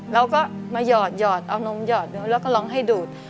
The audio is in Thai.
แล้วก็มาหยอดเอานมหยอดแล้วก็ลองให้ดูด